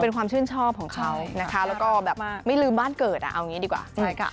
เป็นความชื่นชอบของเขาแล้วก็ไม่ลืมบ้านเกิดเอาอย่างนี้ดีกว่า